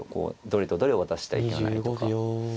どれとどれを渡してはいけないとか。